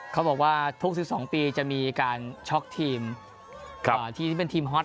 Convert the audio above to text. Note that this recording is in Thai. เขาบอกว่าทุก๑๒ปีจะมีการช็อกทีมทีมที่เป็นทีมฮอต